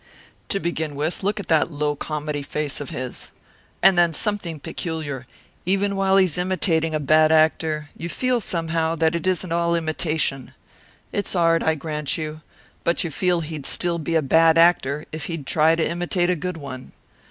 "To begin with, look at that low comedy face of his. And then something peculiar even while he's imitating a bad actor you feel somehow that it isn't all imitation. It's art, I grant you, but you feel he'd still be a bad actor if he'd try to imitate a good one.